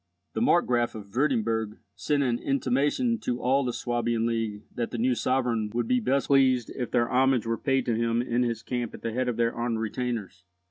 The Markgraf of Wurtemburg sent an intimation to all the Swabian League that the new sovereign would be best pleased if their homage were paid to him in his camp at the head of their armed retainers.